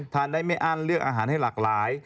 ทานได้ไม่อั้นเลือกอาหารให้หลากหลาย